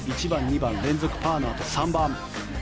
１番、２番連続パーのあと３番。